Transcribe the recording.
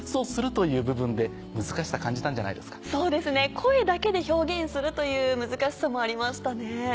声だけで表現するという難しさもありましたね。